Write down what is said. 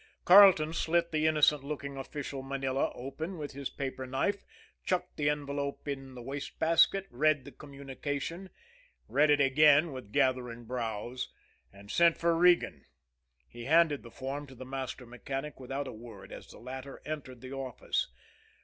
Carleton slit the innocent looking official manila open with his paper knife, chucked the envelope in the wastebasket, read the communication, read it again with gathering brows and sent for Regan. He handed the form to the master mechanic without a word, as the latter entered the office.